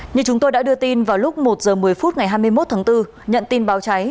như chúng tôi đã đưa tin vào lúc một h một mươi phút ngày hai mươi một tháng bốn nhận tin báo cháy